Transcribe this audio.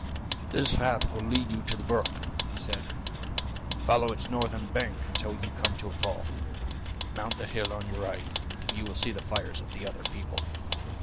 "This path will lead you to the brook," he said; "follow its northern bank until you come to a fall; mount the hill on your right, and you will see the fires of the other people.